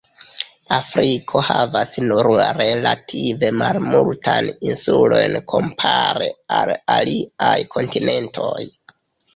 Afriko havas nur relative malmultajn insulojn kompare al aliaj kontinentoj.